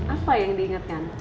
apa yang diingatkan